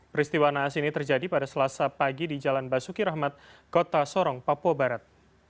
peristiwa naas ini terjadi pada selasa pagi di jalan basuki rahmat kota sorong papua barat